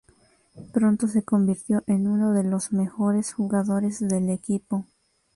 Pronto se convirtió en uno de los mejores jugadores del equipo.